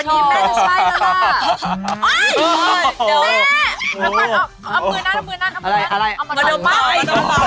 เอ้ยเดี๋ยวแม่เอามือหน้าเอามาต่อไป